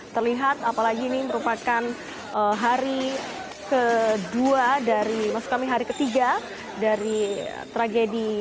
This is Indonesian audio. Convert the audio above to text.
terlihat apalagi ini merupakan hari ketiga dari tragedi